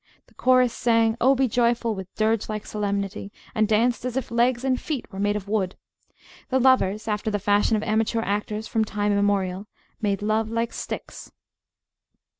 The chorus sang "Oh, be joyful!" with dirge like solemnity, and danced as if legs and feet were made of wood. The lovers, after the fashion of amateur actors from time immemorial, "made love like sticks."